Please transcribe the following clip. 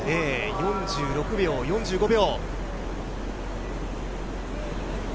４６秒、４５秒。